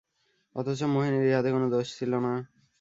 অথচ মোহিনীর ইহাতে কোনো দোষ ছিল না।